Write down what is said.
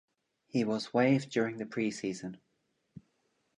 He was waived during the preseason.